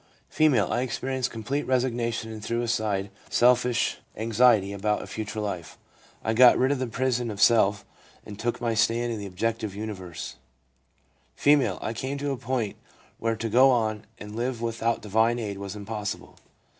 F. ' I experienced complete resignation and threw aside selfish anxiety about a future life. I got rid of the prison of self and took my stand in the objective universe/ F. 1 I came to a point where to go on and live without divine aid was impossible.